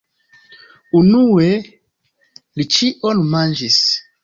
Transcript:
Unue, li ĉion manĝis.